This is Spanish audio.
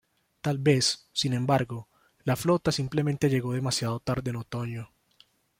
Tal vez, sin embargo, la flota simplemente llegó demasiado tarde en otoño.